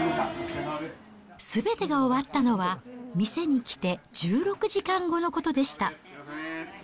すべてが終わったのは、店に来て１６時間後のことでした。